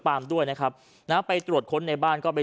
ปลามด้วยนะครับน้าไปตรวจค้นในบ้านเขาไป